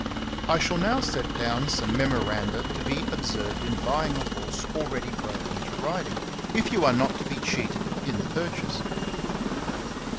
I SHALL now set down some memoranda to be observed in buying a horse already broken to riding, if you are not to be cheated in the purchase.